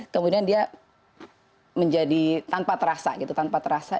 kemudian dia menjadi tanpa terasa